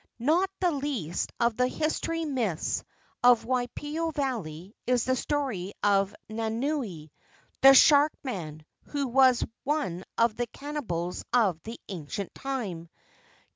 Not the least of the history myths of Waipio Valley is the story of Nanaue, the shark man, who was one of the cannibals of the ancient time.